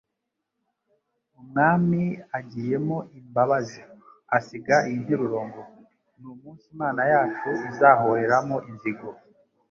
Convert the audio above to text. Umwami agiyemo imbabazi.» Asiga iyi nteruro ngo : «N'umunsi Imana yacu izahoreramo inzigo.»